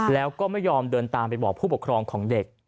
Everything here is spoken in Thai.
แล้วก็ไม่ยอมเดินตามไปบอกผู้ปกครองของเด็ก